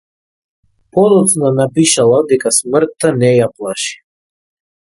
Подоцна напишала дека смртта не ја плаши.